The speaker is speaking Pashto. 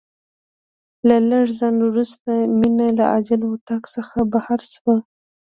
له لږ ځنډ وروسته مينه له عاجل اتاق څخه رابهر شوه.